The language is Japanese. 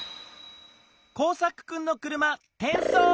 コウサクくんの車てんそう。